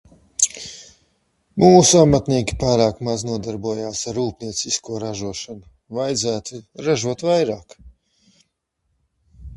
Mūsu amatnieki pārāk maz nodarbojās ar rūpniecisko ražošanu. Vajadzētu ražot vairāk.